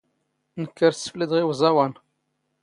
ⵏⴽⴽ ⴰⵔ ⵙⵙⴼⵍⵉⴷⵖ ⵉ ⵓⵥⴰⵡⴰⵏ.